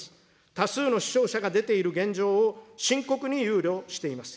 多数の死傷者が出ている現状を、深刻に憂慮しています。